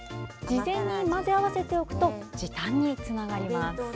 事前に混ぜ合わせておくと時短につながります。